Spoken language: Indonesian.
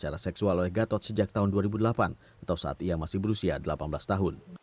secara seksual oleh gatot sejak tahun dua ribu delapan atau saat ia masih berusia delapan belas tahun